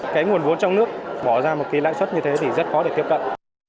cái nguồn vốn trong nước bỏ ra một cái lãnh xuất như thế thì rất khó để tiếp cận